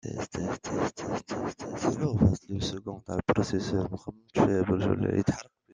Pendant la Première Guerre mondiale, Hinshelwood fut chimiste dans une usine d'explosifs.